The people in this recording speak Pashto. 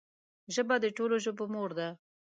ژبه د ټولو ژبو مور ده